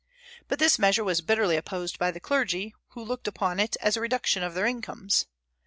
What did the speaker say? But this measure was bitterly opposed by the clergy, who looked upon it as a reduction of their incomes.